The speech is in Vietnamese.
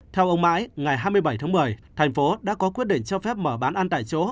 theo ông mãi ngày hai mươi bảy tháng một mươi thành phố đã có quyết định cho phép mở bán ăn tại chỗ